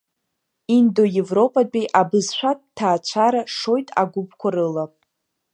Индоевропатәи абызшәатә ҭаацәара шоит агәыԥқәа рыла.